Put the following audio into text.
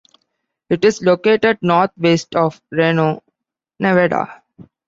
It is located northwest of Reno, Nevada.